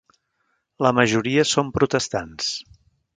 La majoria són protestants.